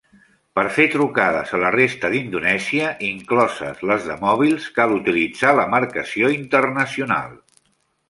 Per fer trucades a la resta d'Indonèsia, incloses les de mòbils, cal utilitzar la marcació internacional.